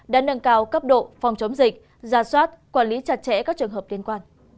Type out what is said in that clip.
đã nâng cao cấp độ phòng chống dịch giả soát quản lý chặt chẽ các trường hợp liên quan